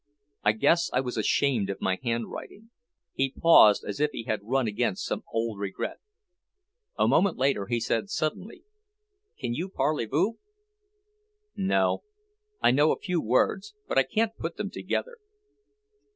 I guess I was ashamed of my handwriting." He paused as if he had run against some old regret. A moment later he said suddenly, "Can you parlez vous?" "No. I know a few words, but I can't put them together."